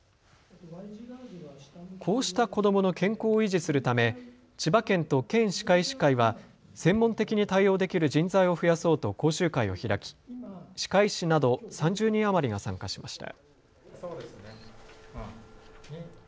こうした子どもの健康を維持するため千葉県と県歯科医師会は専門的に対応できる人材を増やそうと講習会を開き歯科医師など３０人余りが参加しました。